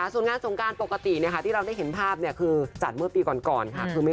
ส่วนงานสงการปกติที่เราได้เห็นภาพคือจัดเมื่อปีก่อนค่ะ